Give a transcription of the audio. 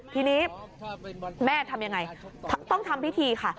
ทีนี้แม่ทำยังไงต้องทำพิธีค่ะ